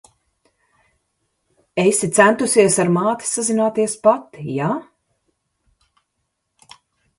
Esi centusies ar māti sazināties pati, jā?